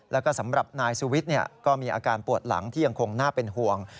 แล้วก็สำหรับนายสุวิทย์ก็มีอาการปวดหลังที่ยังคงน่าเป็นห่วง